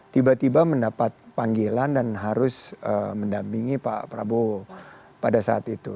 tiba tiba mendapat panggilan dan harus mendampingi pak prabowo pada saat itu